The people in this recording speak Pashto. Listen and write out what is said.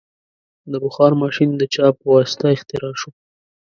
د بخار ماشین د چا په واسطه اختراع شو؟